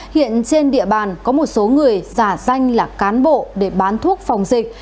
hiện trên địa bàn có một số người giả danh là cán bộ để bán thuốc phòng dịch